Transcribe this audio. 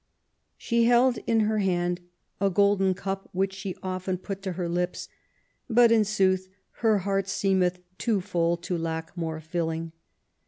She held in her hand a golden cup which she often put to her lips; but in sooth her heart seemeth too full to lack more filling.